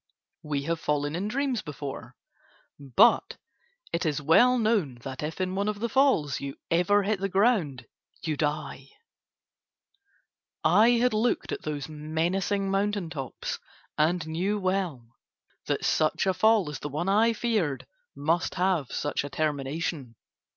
We have fallen in dreams before, but it is well known that if in one of those falls you ever hit the ground you die: I had looked at those menacing mountaintops and knew well that such a fall as the one I feared must have such a termination.